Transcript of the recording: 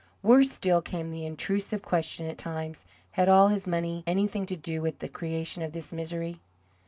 Worse still came the intrusive question at times: Had all his money anything to do with the creation of this misery?